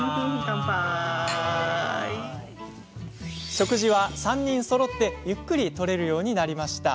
食事は３人そろってゆっくりとれるようになりました。